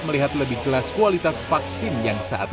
melihat lebih jelas kualitas vaksin yang saatnya